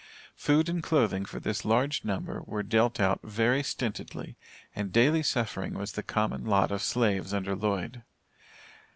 Food and clothing for this large number were dealt out very stintedly, and daily suffering was the common lot of slaves under Lloyd.